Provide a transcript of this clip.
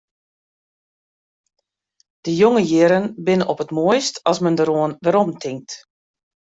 De jonge jierren binne op it moaist as men deroan weromtinkt.